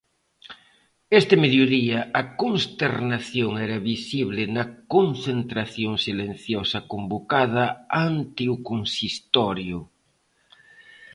Este mediodía a consternación era visible na concentración silenciosa convocada ante o consistorio.